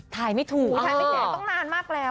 ถ่ายไม่ถูกถ่ายไม่ถูกนานมากแล้ว